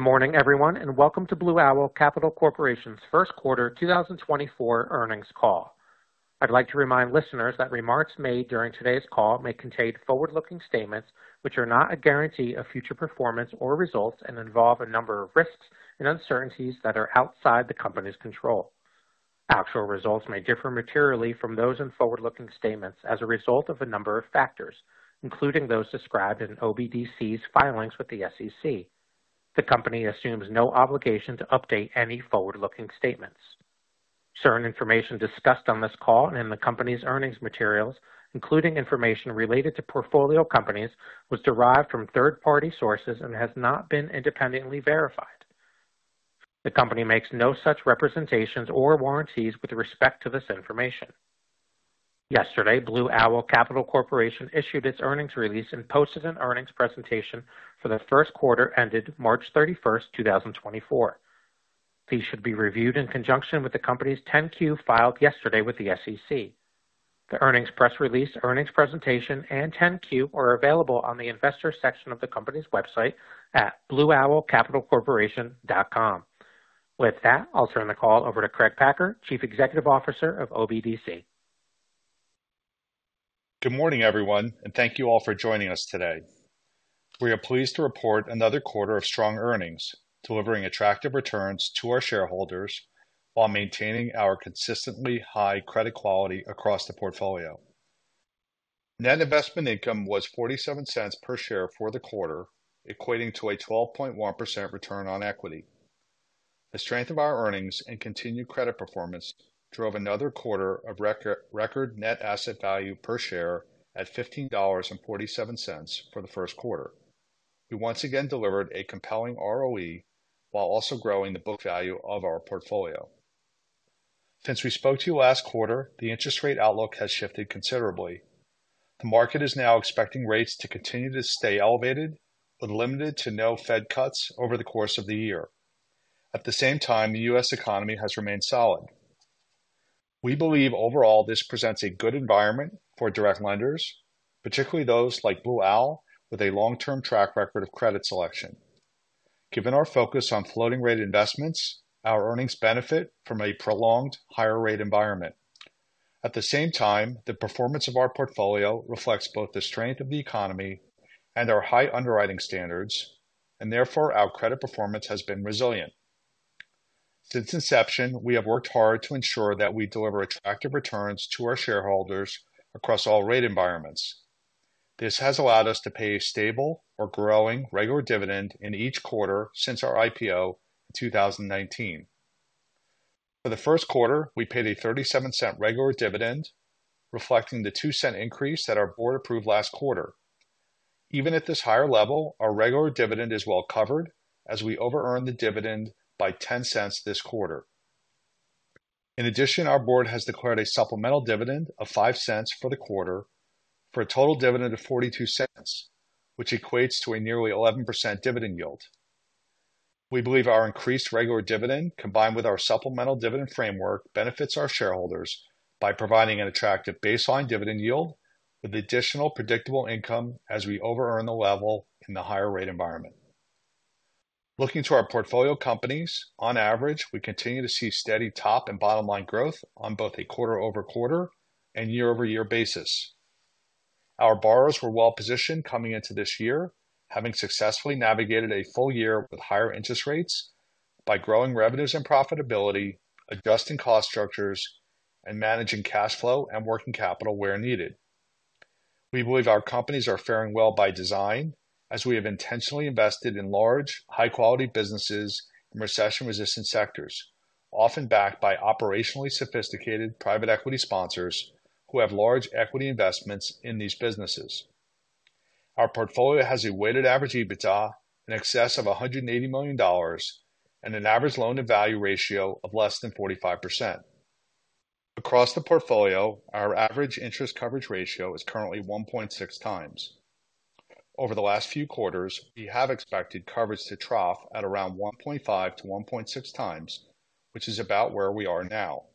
Good morning, everyone, and welcome to Blue Owl Capital Corporation's first quarter 2024 earnings call. I'd like to remind listeners that remarks made during today's call may contain forward-looking statements, which are not a guarantee of future performance or results and involve a number of risks and uncertainties that are outside the company's control. Actual results may differ materially from those in forward-looking statements as a result of a number of factors, including those described in OBDC's filings with the SEC. The company assumes no obligation to update any forward-looking statements. Certain information discussed on this call and in the company's earnings materials, including information related to portfolio companies, was derived from third-party sources and has not been independently verified. The company makes no such representations or warranties with respect to this information. Yesterday, Blue Owl Capital Corporation issued its earnings release and posted an earnings presentation for the first quarter ended March 31, 2024. These should be reviewed in conjunction with the company's 10-Q filed yesterday with the SEC. The earnings press release, earnings presentation, and 10-Q are available on the investor section of the company's website at blueowlcapitalcorporation.com. With that, I'll turn the call over to Craig Packer, Chief Executive Officer of OBDC. Good morning, everyone, and thank you all for joining us today. We are pleased to report another quarter of strong earnings, delivering attractive returns to our shareholders while maintaining our consistently high credit quality across the portfolio. Net investment income was $0.47 per share for the quarter, equating to a 12.1% return on equity. The strength of our earnings and continued credit performance drove another quarter of record net asset value per share at $15.47 for the first quarter. We once again delivered a compelling ROE while also growing the book value of our portfolio. Since we spoke to you last quarter, the interest rate outlook has shifted considerably. The market is now expecting rates to continue to stay elevated, with limited to no Fed cuts over the course of the year. At the same time, the U.S. economy has remained solid. We believe overall this presents a good environment for direct lenders, particularly those like Blue Owl, with a long-term track record of credit selection. Given our focus on floating rate investments, our earnings benefit from a prolonged higher rate environment. At the same time, the performance of our portfolio reflects both the strength of the economy and our high underwriting standards, and therefore our credit performance has been resilient. Since inception, we have worked hard to ensure that we deliver attractive returns to our shareholders across all rate environments. This has allowed us to pay a stable or growing regular dividend in each quarter since our IPO in 2019. For the first quarter, we paid a $0.37 regular dividend, reflecting the $0.02 increase that our board approved last quarter. Even at this higher level, our regular dividend is well covered as we overearn the dividend by $0.10 this quarter. In addition, our board has declared a supplemental dividend of $0.05 for the quarter, for a total dividend of $0.42, which equates to a nearly 11% dividend yield. We believe our increased regular dividend, combined with our supplemental dividend framework, benefits our shareholders by providing an attractive baseline dividend yield with additional predictable income as we overearn the level in the higher rate environment. Looking to our portfolio companies, on average, we continue to see steady top and bottom line growth on both a quarter-over-quarter and year-over-year basis. Our borrowers were well positioned coming into this year, having successfully navigated a full year with higher interest rates by growing revenues and profitability, adjusting cost structures and managing cash flow and working capital where needed. We believe our companies are faring well by design as we have intentionally invested in large, high quality businesses and recession-resistant sectors, often backed by operationally sophisticated private equity sponsors who have large equity investments in these businesses. Our portfolio has a weighted average EBITDA in excess of $180 million and an average loan-to-value ratio of less than 45%. Across the portfolio, our average interest coverage ratio is currently 1.6 times. Over the last few quarters, we have expected coverage to trough at around 1.5-1.6 times, which is about where we are now.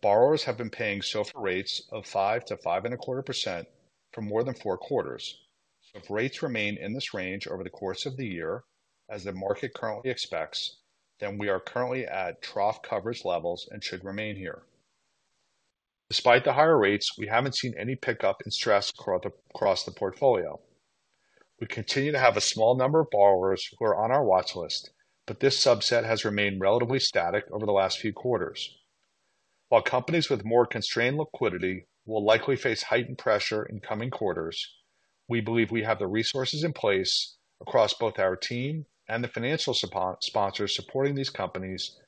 Borrowers have been paying SOFR rates of 5%-5.25% for more than 4 quarters. If rates remain in this range over the course of the year, as the market currently expects, then we are currently at trough coverage levels and should remain here. Despite the higher rates, we haven't seen any pickup in stress across the portfolio. We continue to have a small number of borrowers who are on our watchlist, but this subset has remained relatively static over the last few quarters. While companies with more constrained liquidity will likely face heightened pressure in coming quarters, we believe we have the resources in place across both our team and the financial sponsors supporting these companies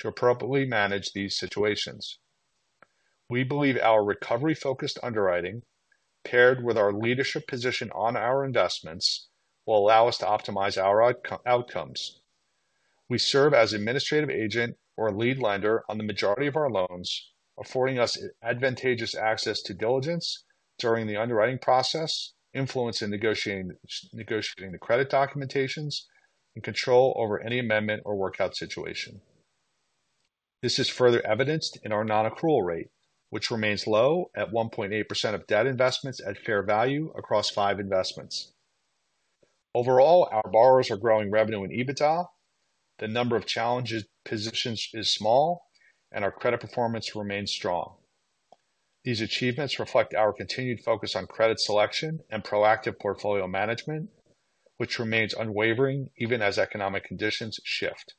to appropriately manage these situations. We believe our recovery-focused underwriting, paired with our leadership position on our investments, will allow us to optimize our outcomes. We serve as administrative agent or lead lender on the majority of our loans, affording us advantageous access to diligence during the underwriting process, influence in negotiating the credit documentation, and control over any amendment or workout situation. This is further evidenced in our non-accrual rate, which remains low at 1.8% of debt investments at fair value across five investments. Overall, our borrowers are growing revenue and EBITDA. The number of challenged positions is small and our credit performance remains strong. These achievements reflect our continued focus on credit selection and proactive portfolio management, which remains unwavering even as economic conditions shift.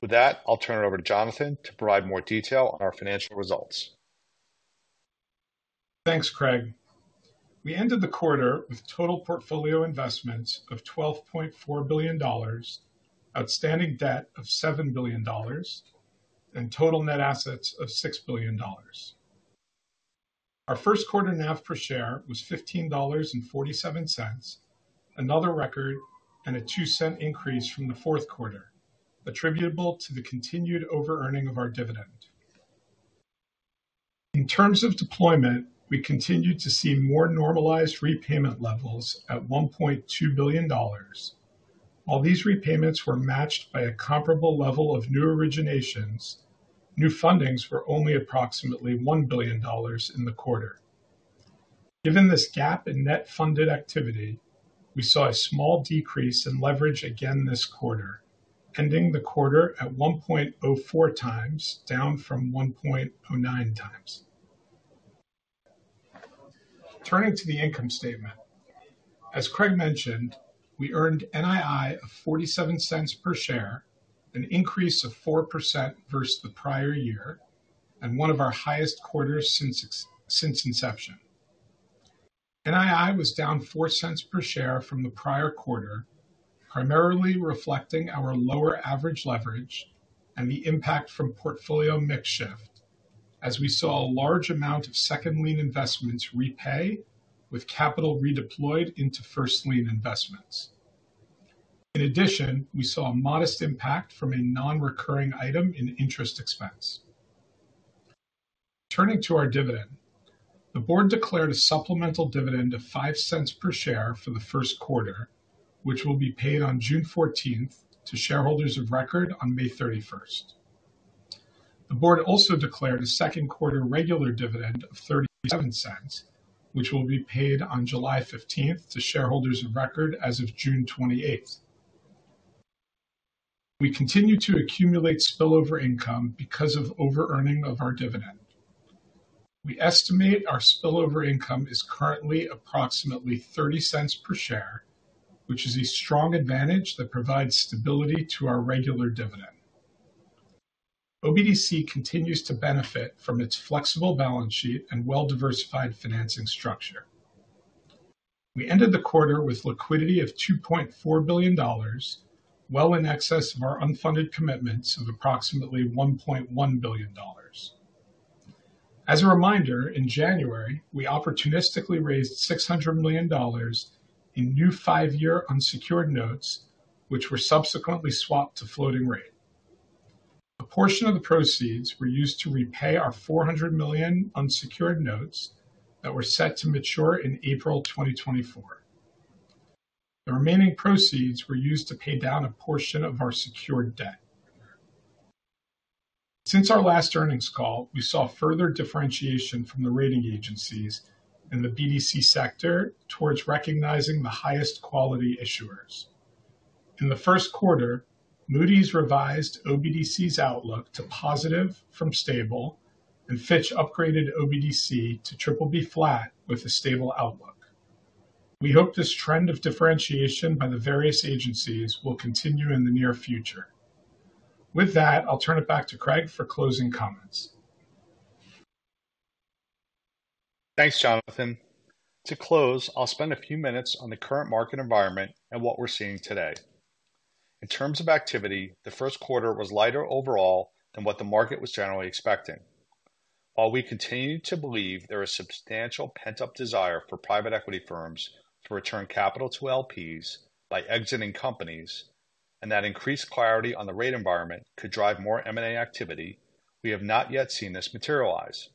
With that, I'll turn it over to Jonathan to provide more detail on our financial results. Thanks, Craig. We ended the quarter with total portfolio investments of $12.4 billion, outstanding debt of $7 billion, and total net assets of $6 billion. Our first quarter NAV per share was $15.47, another record and a 2-cent increase from the fourth quarter, attributable to the continued overearning of our dividend. In terms of deployment, we continued to see more normalized repayment levels at $1.2 billion. While these repayments were matched by a comparable level of new originations, new fundings were only approximately $1 billion in the quarter. Given this gap in net funded activity, we saw a small decrease in leverage again this quarter, ending the quarter at 1.04 times, down from 1.09 times. Turning to the income statement. As Craig mentioned, we earned NII of $0.47 per share, an increase of 4% versus the prior year and one of our highest quarters since inception. NII was down $0.04 per share from the prior quarter, primarily reflecting our lower average leverage and the impact from portfolio mix shift as we saw a large amount of second lien investments repay with capital redeployed into first lien investments. In addition, we saw a modest impact from a non-recurring item in interest expense. Turning to our dividend, the board declared a supplemental dividend of $0.05 per share for the first quarter, which will be paid on June 14 to shareholders of record on May 31. The board also declared a second quarter regular dividend of $0.37, which will be paid on July 15 to shareholders of record as of June 28. We continue to accumulate spillover income because of overearning of our dividend. We estimate our spillover income is currently approximately $0.30 per share, which is a strong advantage that provides stability to our regular dividend. OBDC continues to benefit from its flexible balance sheet and well-diversified financing structure. We ended the quarter with liquidity of $2.4 billion, well in excess of our unfunded commitments of approximately $1.1 billion. As a reminder, in January, we opportunistically raised $600 million in new five-year unsecured notes, which were subsequently swapped to floating rate. A portion of the proceeds were used to repay our $400 million unsecured notes that were set to mature in April 2024. The remaining proceeds were used to pay down a portion of our secured debt. Since our last earnings call, we saw further differentiation from the rating agencies in the BDC sector towards recognizing the highest quality issuers. In the first quarter, Moody's revised OBDC's outlook to positive from stable, and Fitch upgraded OBDC to BBB flat with a stable outlook. We hope this trend of differentiation by the various agencies will continue in the near future. With that, I'll turn it back to Craig for closing comments. Thanks, Jonathan. To close, I'll spend a few minutes on the current market environment and what we're seeing today. In terms of activity, the first quarter was lighter overall than what the market was generally expecting. While we continue to believe there is substantial pent-up desire for private equity firms to return capital to LPs by exiting companies, and that increased clarity on the rate environment could drive more M&A activity, we have not yet seen this materialize.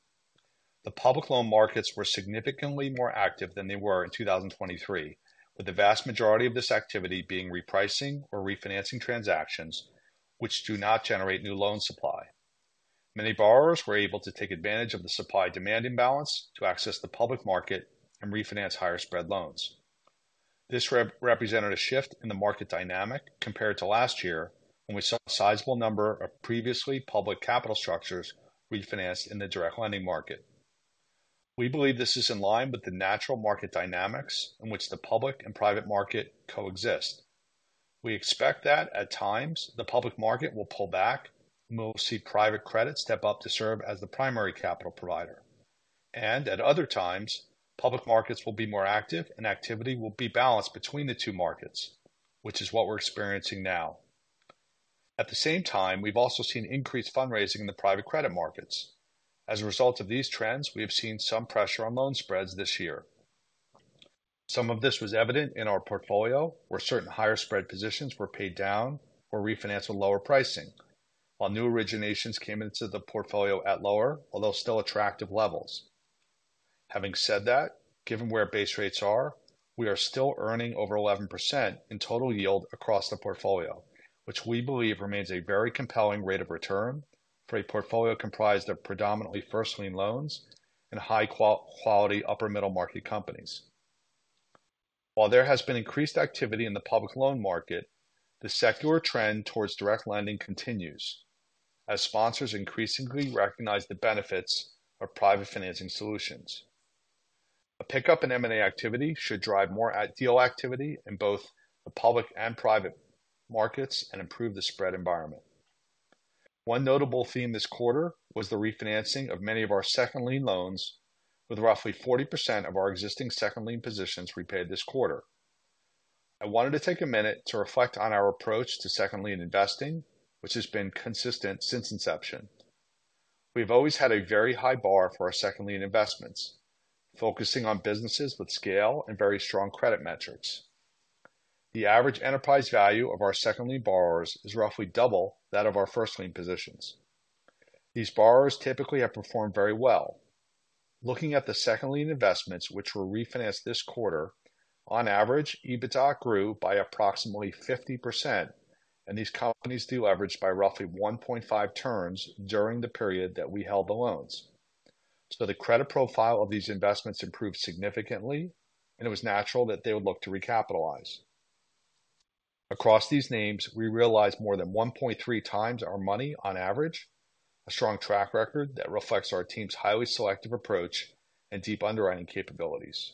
The public loan markets were significantly more active than they were in 2023, with the vast majority of this activity being repricing or refinancing transactions which do not generate new loan supply. Many borrowers were able to take advantage of the supply-demand imbalance to access the public market and refinance higher spread loans. This represented a shift in the market dynamic compared to last year, when we saw a sizable number of previously public capital structures refinanced in the direct lending market. We believe this is in line with the natural market dynamics in which the public and private market coexist. We expect that at times, the public market will pull back, and we'll see private credit step up to serve as the primary capital provider. At other times, public markets will be more active, and activity will be balanced between the two markets, which is what we're experiencing now. At the same time, we've also seen increased fundraising in the private credit markets. As a result of these trends, we have seen some pressure on loan spreads this year. Some of this was evident in our portfolio, where certain higher spread positions were paid down or refinanced with lower pricing, while new originations came into the portfolio at lower, although still attractive, levels. Having said that, given where base rates are, we are still earning over 11% in total yield across the portfolio, which we believe remains a very compelling rate of return for a portfolio comprised of predominantly first lien loans and high quality, upper middle market companies. While there has been increased activity in the public loan market, the secular trend towards direct lending continues as sponsors increasingly recognize the benefits of private financing solutions. A pickup in M&A activity should drive more deal activity in both the public and private markets and improve the spread environment. One notable theme this quarter was the refinancing of many of our second lien loans, with roughly 40% of our existing second lien positions repaid this quarter. I wanted to take a minute to reflect on our approach to second lien investing, which has been consistent since inception. We've always had a very high bar for our second lien investments, focusing on businesses with scale and very strong credit metrics. The average enterprise value of our second lien borrowers is roughly double that of our first lien positions. These borrowers typically have performed very well. Looking at the second lien investments, which were refinanced this quarter, on average, EBITDA grew by approximately 50%, and these companies deleveraged by roughly 1.5 turns during the period that we held the loans. So the credit profile of these investments improved significantly, and it was natural that they would look to recapitalize. Across these names, we realized more than 1.3x our money on average, a strong track record that reflects our team's highly selective approach and deep underwriting capabilities.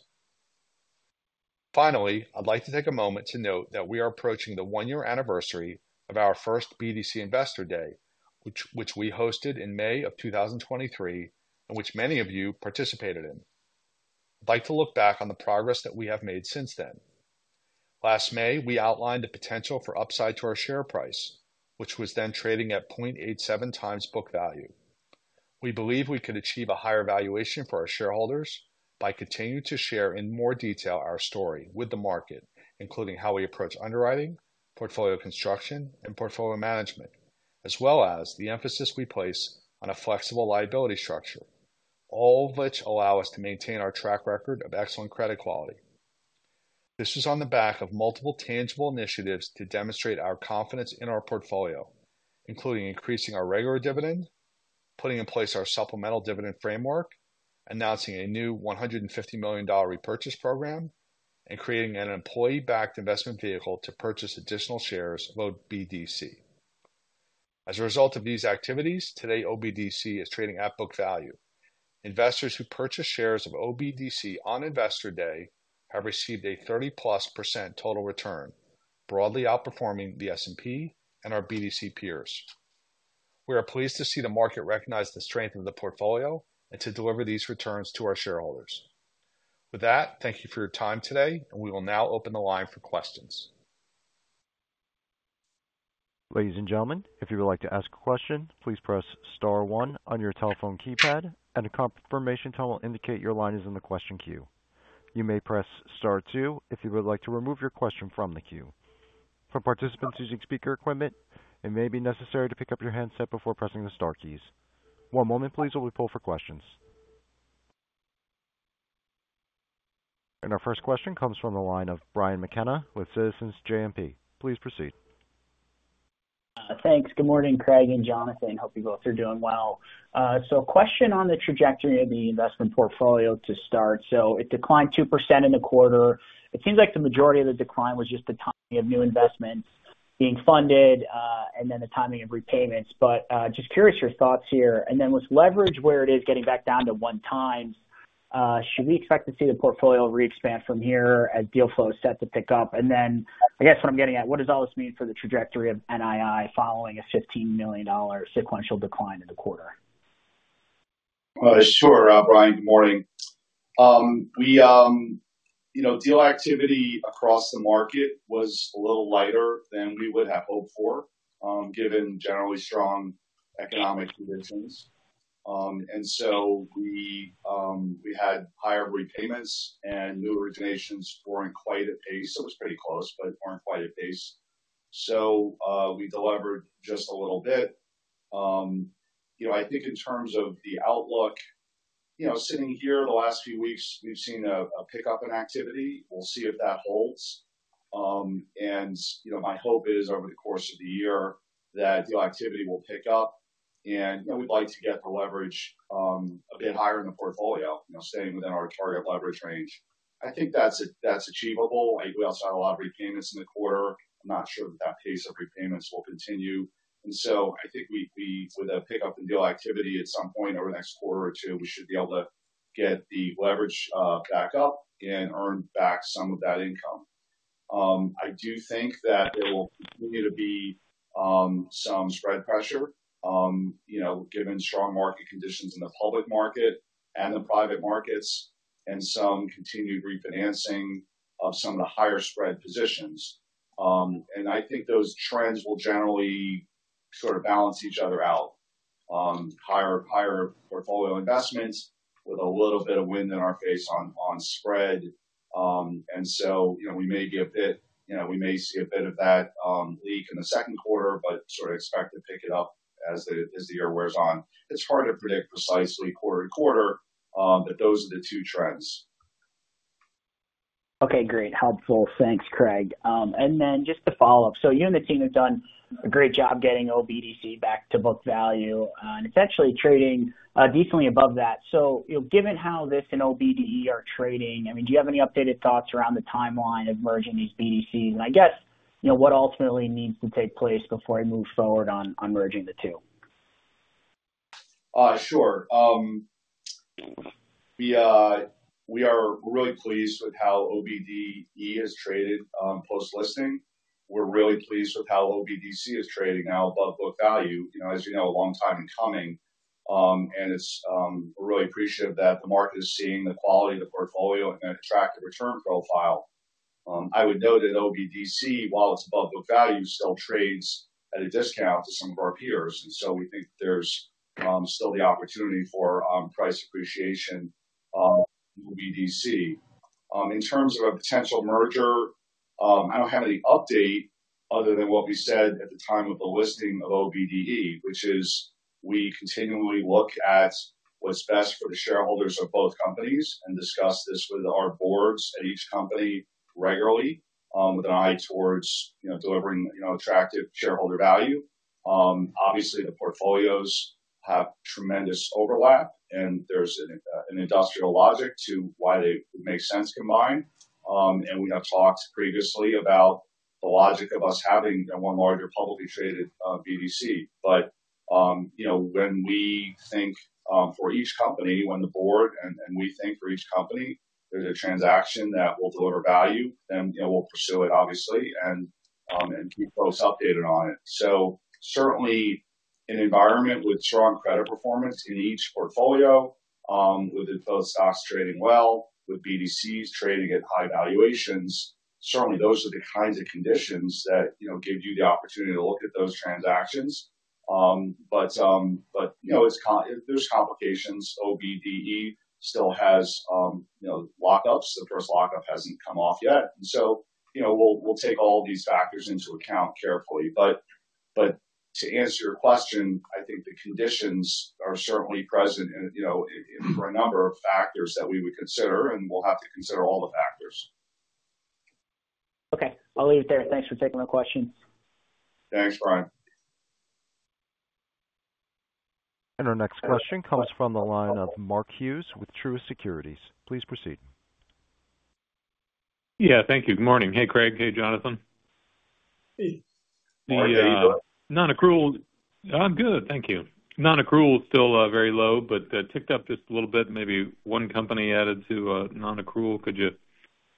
Finally, I'd like to take a moment to note that we are approaching the one-year anniversary of our first BDC Investor Day, which we hosted in May 2023, and which many of you participated in. I'd like to look back on the progress that we have made since then. Last May, we outlined the potential for upside to our share price, which was then trading at 0.87x book value. We believe we could achieve a higher valuation for our shareholders by continuing to share in more detail our story with the market, including how we approach underwriting, portfolio construction, and portfolio management, as well as the emphasis we place on a flexible liability structure, all which allow us to maintain our track record of excellent credit quality. This was on the back of multiple tangible initiatives to demonstrate our confidence in our portfolio, including increasing our regular dividend, putting in place our supplemental dividend framework, announcing a new $150 million repurchase program, and creating an employee-backed investment vehicle to purchase additional shares of OBDC. As a result of these activities, today, OBDC is trading at book value. Investors who purchase shares of OBDC on Investor Day have received a 30%+ total return, broadly outperforming the S&P and our BDC peers. We are pleased to see the market recognize the strength of the portfolio and to deliver these returns to our shareholders. With that, thank you for your time today, and we will now open the line for questions. Ladies and gentlemen, if you would like to ask a question, please press star one on your telephone keypad, and a confirmation tone will indicate your line is in the question queue. You may press Star two if you would like to remove your question from the queue. For participants using speaker equipment, it may be necessary to pick up your handset before pressing the star keys. One moment, please, while we pull for questions. And our first question comes from the line of Brian McKenna with Citizens JMP. Please proceed. Thanks. Good morning, Craig and Jonathan. Hope you both are doing well. So a question on the trajectory of the investment portfolio to start. It declined 2% in the quarter. It seems like the majority of the decline was just the timing of new investments being funded, and then the timing of repayments. But just curious your thoughts here. With leverage, where it is getting back down to 1x, should we expect to see the portfolio re-expand from here as deal flow is set to pick up? Then I guess what I'm getting at, what does all this mean for the trajectory of NII following a $15 million sequential decline in the quarter? Sure, Brian. Good morning. We, you know, deal activity across the market was a little lighter than we would have hoped for, given generally strong economic conditions. And so we had higher repayments and new originations weren't quite at pace. It was pretty close, but weren't quite at pace. So, we delivered just a little bit. You know, I think in terms of the outlook, you know, sitting here the last few weeks, we've seen a pickup in activity. We'll see if that holds. And, you know, my hope is over the course of the year, that deal activity will pick up and, you know, we'd like to get the leverage a bit higher in the portfolio, you know, staying within our target leverage range. I think that's achievable. We also had a lot of repayments in the quarter. I'm not sure that that pace of repayments will continue, and so I think we'd be with a pickup in deal activity at some point over the next quarter or two, we should be able to get the leverage back up and earn back some of that income. I do think that there will continue to be some spread pressure, you know, given strong market conditions in the public market and the private markets, and some continued refinancing of some of the higher spread positions. And I think those trends will generally sort of balance each other out, higher portfolio investments with a little bit of wind in our face on spread.... and so, you know, we may get a bit, you know, we may see a bit of that leak in the second quarter, but sort of expect to pick it up as the year wears on. It's hard to predict precisely quarter to quarter, but those are the two trends. Okay, great. Helpful. Thanks, Craig. And then just to follow up, so you and the team have done a great job getting OBDC back to book value, and it's actually trading decently above that. So, you know, given how this and OBDE are trading, I mean, do you have any updated thoughts around the timeline of merging these BDCs? And I guess, you know, what ultimately needs to take place before I move forward on merging the two? Sure. We are really pleased with how OBDE has traded post-listing. We're really pleased with how OBDC is trading now above book value, you know, as you know, a long time in coming. And it's, we're really appreciative that the market is seeing the quality of the portfolio and attractive return profile. I would note that OBDC, while it's above book value, still trades at a discount to some of our peers, and so we think there's still the opportunity for price appreciation, OBDC. In terms of a potential merger, I don't have any update other than what we said at the time of the listing of OBDE, which is we continually look at what's best for the shareholders of both companies and discuss this with our boards at each company regularly, with an eye towards, you know, delivering, you know, attractive shareholder value. Obviously, the portfolios have tremendous overlap, and there's an industrial logic to why they make sense combined. And we have talked previously about the logic of us having one larger, publicly traded BDC. But, you know, when we think for each company, when the board and we think for each company, there's a transaction that will deliver value, then, you know, we'll pursue it, obviously, and keep folks updated on it. So certainly an environment with strong credit performance in each portfolio, with both stocks trading well, with BDCs trading at high valuations. Certainly, those are the kinds of conditions that, you know, give you the opportunity to look at those transactions. But, you know, it's co-- there's complications. OBDE still has, you know, lockups. The first lockup hasn't come off yet. And so, you know, we'll, we'll take all these factors into account carefully. But, but to answer your question, I think the conditions are certainly present and, you know, for a number of factors that we would consider, and we'll have to consider all the factors. Okay. I'll leave it there. Thanks for taking my question. Thanks, Brian. Our next question comes from the line of Mark Hughes with Truist Securities. Please proceed. Yeah, thank you. Good morning. Hey, Craig. Hey, Jonathan. Hey. The non-accrual... I'm good, thank you. Non-accrual is still very low, but ticked up just a little bit, maybe one company added to non-accrual. Could you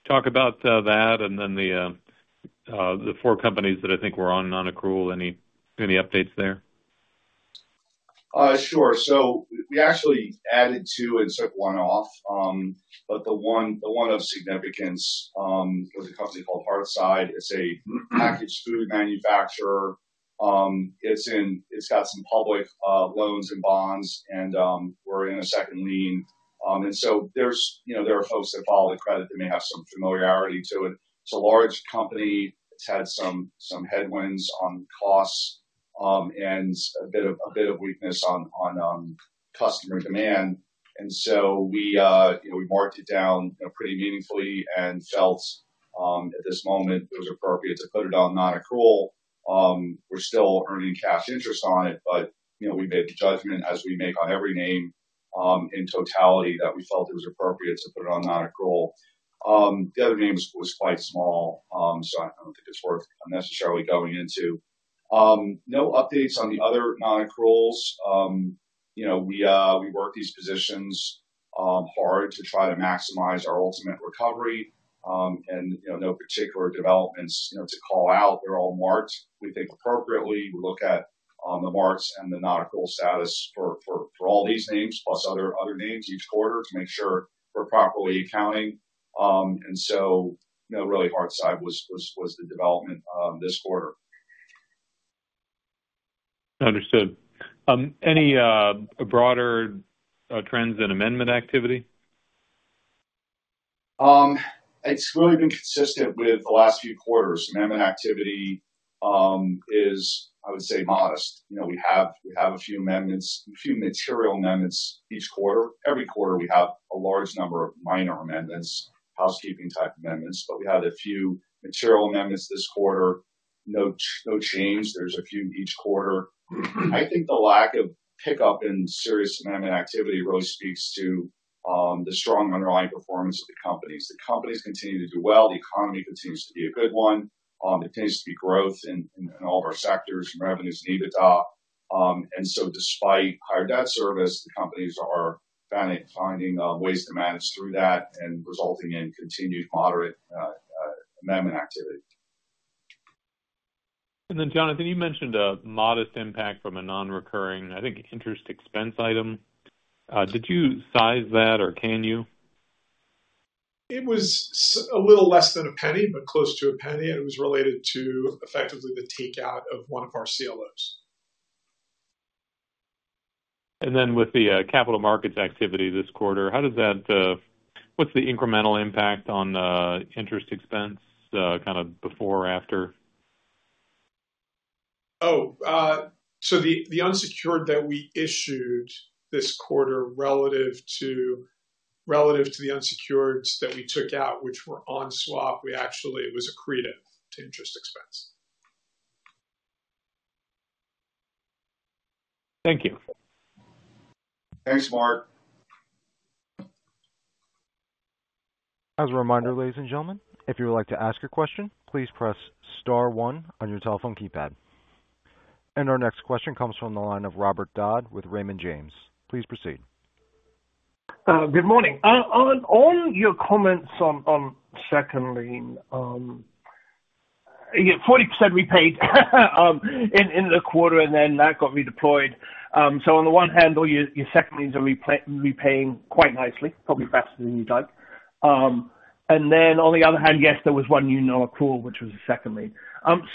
talk about that and then the four companies that I think were on non-accrual? Any updates there? Sure. So we actually added two and took one off. But the one, the one of significance, was a company called Hearthside. It's a packaged food manufacturer. It's in-- it's got some public, loans and bonds, and, we're in a second lien. And so there's, you know, there are folks that follow the credit, they may have some familiarity to it. It's a large company. It's had some, some headwinds on costs, and a bit of, a bit of weakness on, on, customer demand. And so we, you know, we marked it down, you know, pretty meaningfully and felt, at this moment it was appropriate to put it on non-accrual. We're still earning cash interest on it, but, you know, we made the judgment, as we make on every name, in totality, that we felt it was appropriate to put it on non-accrual. The other name was quite small, so I don't think it's worth necessarily going into. No updates on the other non-accruals. You know, we work these positions hard to try to maximize our ultimate recovery. You know, no particular developments, you know, to call out. They're all marked, we think, appropriately. We look at the marks and the non-accrual status for all these names, plus other names each quarter to make sure we're properly accounting. And so no, really Hearthside was the development this quarter. Understood. Any broader trends in amendment activity? It's really been consistent with the last few quarters. Amendment activity is, I would say, modest. You know, we have a few amendments, a few material amendments each quarter. Every quarter, we have a large number of minor amendments, housekeeping-type amendments, but we had a few material amendments this quarter. No change. There's a few each quarter. I think the lack of pickup in serious amendment activity really speaks to the strong underlying performance of the companies. The companies continue to do well, the economy continues to be a good one. It continues to be growth in all of our sectors, from revenues and EBITDA. And so despite higher debt service, the companies are finding ways to manage through that and resulting in continued moderate amendment activity. And then, Jonathan, you mentioned a modest impact from a non-recurring, I think, interest expense item. Did you size that, or can you? It was a little less than a penny, but close to a penny, and it was related to effectively the takeout of one of our CLOs.... And then with the capital markets activity this quarter, how does that, what's the incremental impact on interest expense, kind of before or after? So the unsecured that we issued this quarter relative to, relative to the unsecured that we took out, which were on swap, we actually, it was accretive to interest expense. Thank you. Thanks, Mark. As a reminder, ladies and gentlemen, if you would like to ask a question, please press star one on your telephone keypad. Our next question comes from the line of Robert Dodd with Raymond James. Please proceed. Good morning. On your comments on second lien, you get 40% repaid in the quarter, and then that got redeployed. So on the one hand, all your second liens are repaying quite nicely, probably faster than you'd like. And then on the other hand, yes, there was one, you know, non-accrual, which was a second lien.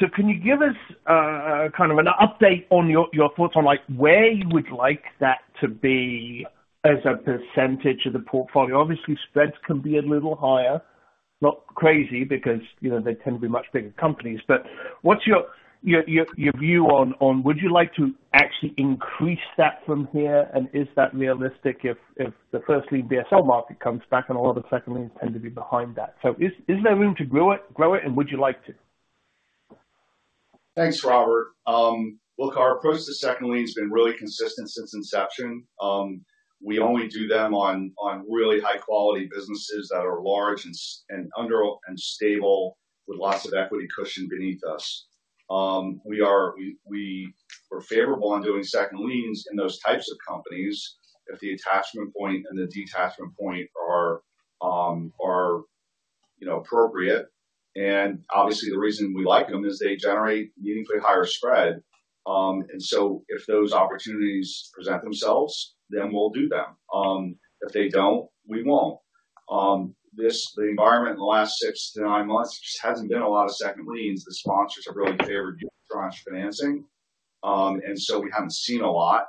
So can you give us kind of an update on your thoughts on, like, where you would like that to be as a percentage of the portfolio? Obviously, spreads can be a little higher, not crazy, because, you know, they tend to be much bigger companies, but what's your view on, would you like to actually increase that from here? Is that realistic if the first lien BSL market comes back and a lot of the second liens tend to be behind that? Is there room to grow it, and would you like to? Thanks, Robert. Look, our approach to second lien has been really consistent since inception. We only do them on really high quality businesses that are large and sound and stable, with lots of equity cushion beneath us. We are favorable on doing second liens in those types of companies if the attachment point and the detachment point are, you know, appropriate. And obviously, the reason we like them is they generate meaningfully higher spread. And so if those opportunities present themselves, then we'll do them. If they don't, we won't. The environment in the last 6-9 months hasn't been a lot of second liens. The sponsors have really favored unitranche financing. And so we haven't seen a lot.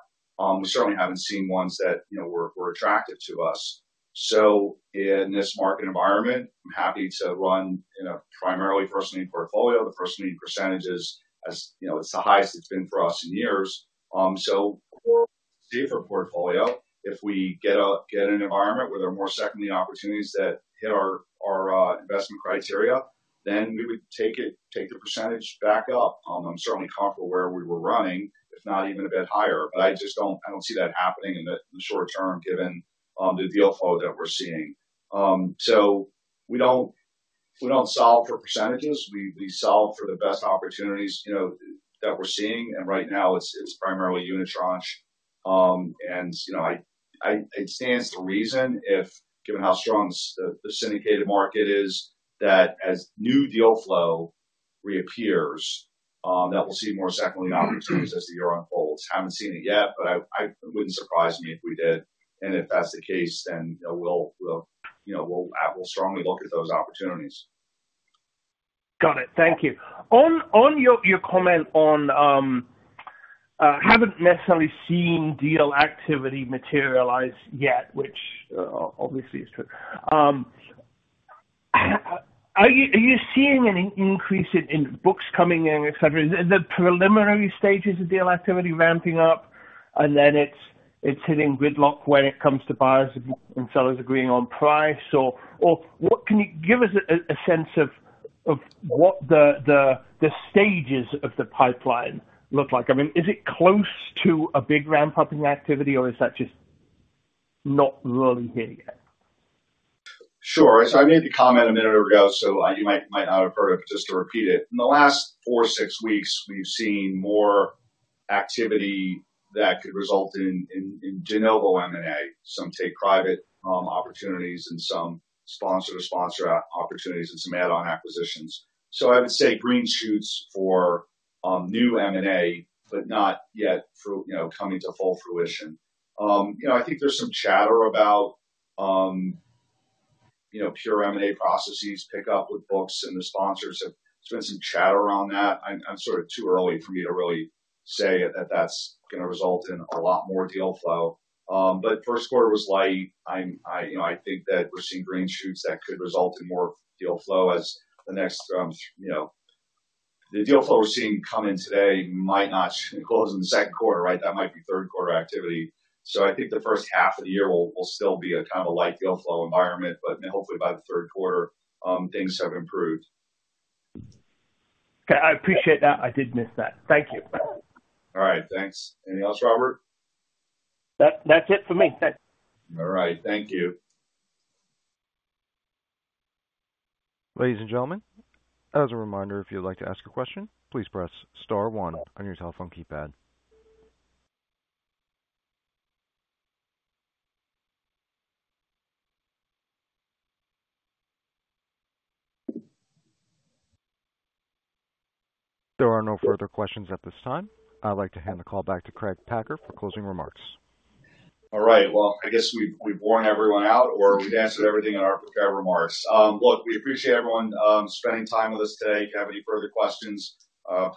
We certainly haven't seen ones that, you know, were attractive to us. So in this market environment, I'm happy to run in a primarily first lien portfolio. The first lien percentage is as, you know, it's the highest it's been for us in years. So for safer portfolio, if we get an environment where there are more second lien opportunities that hit our investment criteria, then we would take the percentage back up. I'm certainly comfortable where we were running, if not even a bit higher, but I just don't see that happening in the short term, given the deal flow that we're seeing. So we don't solve for percentages. We solve for the best opportunities, you know, that we're seeing, and right now, it's primarily unitranche. And, you know, it stands to reason if, given how strong the syndicated market is, that as new deal flow reappears, that we'll see more second lien opportunities as the year unfolds. Haven't seen it yet, but it wouldn't surprise me if we did, and if that's the case, then, you know, we'll strongly look at those opportunities. Got it. Thank you. On your comment on haven't necessarily seen deal activity materialize yet, which obviously is true. Are you seeing an increase in books coming in, et cetera? Is the preliminary stages of deal activity ramping up, and then it's hitting gridlock when it comes to buyers and sellers agreeing on price? Or what... Can you give us a sense of what the stages of the pipeline look like? I mean, is it close to a big ramp-up in activity, or is that just not really here yet? Sure. So I made the comment a minute ago, so you might not have heard it, but just to repeat it. In the last 4 or 6 weeks, we've seen more activity that could result in de novo M&A, some take-private opportunities and some sponsor-to-sponsor opportunities and some add-on acquisitions. So I would say green shoots for new M&A, but not yet fruit, you know, coming to full fruition. You know, I think there's some chatter about, you know, pure M&A processes pick up with books, and the sponsors have spent some chatter on that. I'm sort of too early for me to really say that that's going to result in a lot more deal flow. But first quarter was light. I you know, I think that we're seeing green shoots that could result in more deal flow as the next, you know. The deal flow we're seeing come in today might not close in the second quarter, right? That might be third quarter activity. So I think the first half of the year will still be a kind of a light deal flow environment, but then hopefully by the third quarter, things have improved. Okay, I appreciate that. I did miss that. Thank you. All right, thanks. Anything else, Robert? That, that's it for me. That's it. All right. Thank you. Ladies and gentlemen, as a reminder, if you'd like to ask a question, please press star one on your telephone keypad. There are no further questions at this time. I'd like to hand the call back to Craig Packer for closing remarks. All right. Well, I guess we've worn everyone out, or we've answered everything in our prepared remarks. Look, we appreciate everyone spending time with us today. If you have any further questions,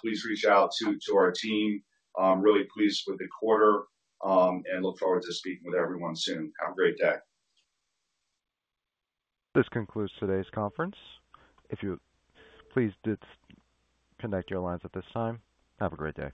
please reach out to our team. I'm really pleased with the quarter, and look forward to speaking with everyone soon. Have a great day. This concludes today's conference. If you please, disconnect your lines at this time. Have a great day.